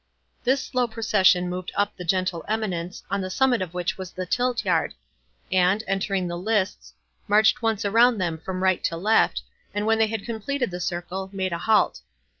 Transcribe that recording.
This slow procession moved up the gentle eminence, on the summit of which was the tiltyard, and, entering the lists, marched once around them from right to left, and when they had completed the circle, made a halt.